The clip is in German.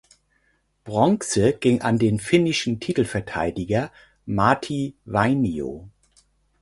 Bronze ging an den finnischen Titelverteidiger Martti Vainio.